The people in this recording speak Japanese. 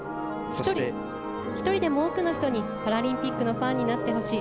１人でも多くの人にパラリンピックのファンになってほしい。